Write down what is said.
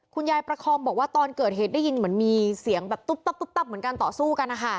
ประคองบอกว่าตอนเกิดเหตุได้ยินเหมือนมีเสียงแบบตุ๊บตับเหมือนกันต่อสู้กันนะคะ